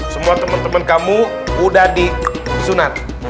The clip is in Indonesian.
semua temen temen kamu udah disunat